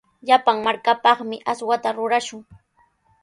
Llapan markapaqmi aswata rurashun.